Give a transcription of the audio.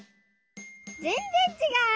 ぜんぜんちがう！